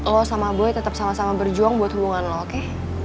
lo sama boy tetap sama sama berjuang buat hubungan lo oke